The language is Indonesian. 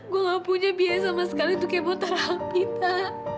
gue nggak punya biaya sama sekali untuk kemurtaan alpita